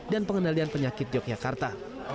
dan pengendalian penyakit yogyakarta